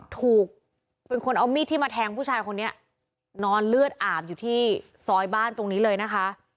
เป็นคนเอามีดที่มาแทงผู้ชายคนนี้นอนเลือดอาบอยู่ที่ซอยบ้านตรงนี้เลยนะคะ